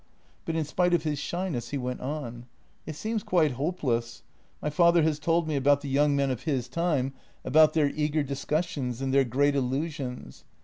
But in spite of his shyness he went on: "It seems quite hopeless. My father has told me about the young men of his time, about their eager discussions and their great illusions.